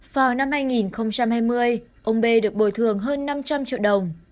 vào năm hai nghìn hai mươi ông b được bồi thường hơn năm trăm linh triệu đồng